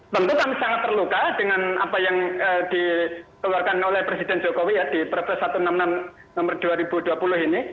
tentu kami sangat terluka dengan apa yang dikeluarkan oleh presiden jokowi ya di perpres satu ratus enam puluh enam nomor dua ribu dua puluh ini